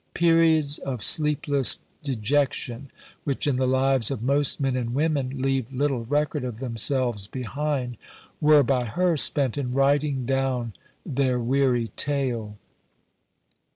Periods of sleepless dejection, which in the lives of most men and women leave little record of themselves behind, were by her spent in writing down their weary tale.